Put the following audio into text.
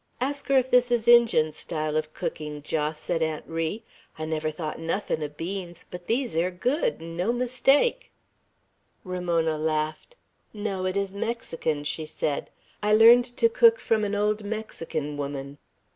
"Ask her if this is Injun style of cooking, Jos," said Aunt Ri. "I never thought nothin' o' beans; but these air good, 'n' no mistake!" Ramona laughed. "No; it is Mexican," she said. "I learned to cook from an old Mexican woman."